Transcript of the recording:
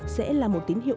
sẽ là một tín hiệu